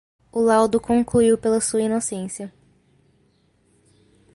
O laudo concluiu pela sua inocência.